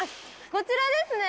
こちらですね。